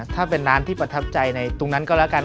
ถ้าเป็นร้านที่ประทับใจในตรงนั้นก็แล้วกัน